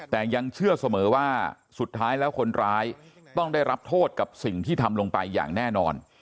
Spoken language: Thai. แต่ยังเชื่อเสมอว่าสุดท้ายแล้วคนร้ายต้องได้รับโทษกับสิ่งที่ทำลงไปอย่างแน่นอน